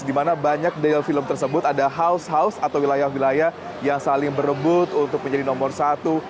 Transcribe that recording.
di mana banyak dari film tersebut ada house house atau wilayah wilayah yang saling berebut untuk menjadi nomor satu